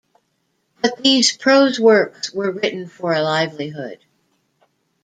But these prose works were written for a livelihood.